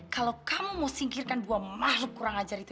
kalau kamu mau singkirkan dua makhluk kurang ajar itu